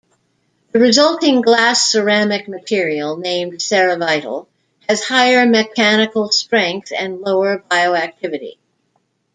The resulting glass-ceramic material, named Ceravital, has higher mechanical strength and lower bioactivity.